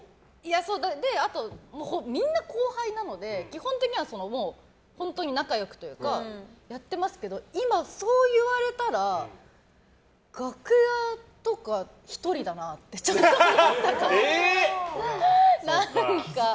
それで、あとみんな後輩なので基本的には本当に仲良くやってますけど今、そう言われたら楽屋とか１人だなってちょっと思ったかも。